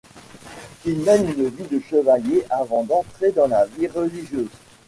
Il mène une vie de chevalier avant d'entrer dans la vie religieuse.